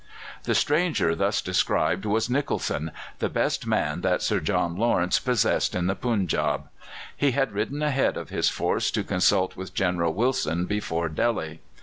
The stranger thus described was Nicholson, the best man that Sir John Lawrence possessed in the Punjab. He had ridden ahead of his force to consult with General Wilson before Delhi.